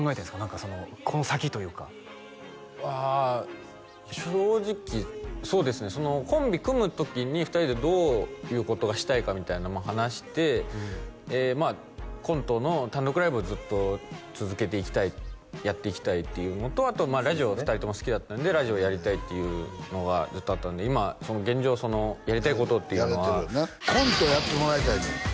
何かこの先というかああ正直そうですねコンビ組む時に２人でどういうことがしたいかみたいな話してまあコントの単独ライブをずっと続けていきたいやっていきたいっていうのとあとまあラジオ２人とも好きだったんでラジオやりたいっていうのがずっとあったんで今現状やりたいことっていうのはやれてるよねコントやってもらいたいねん